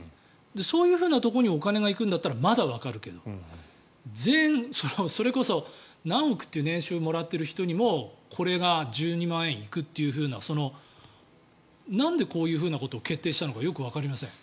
そういうところにお金が行くんだったらまだわかるけどそれこそ何億という年収をもらってる人にもこれが１２万円行くというなんでこういうことを決定したのかよくわかりません。